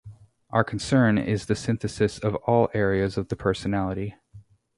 Our concern is the synthesis of all areas of the personality.